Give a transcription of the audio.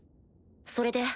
それで？